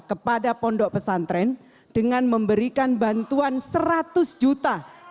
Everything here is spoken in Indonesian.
kepada pondok pesantren dengan memberikan bantuan seratus juta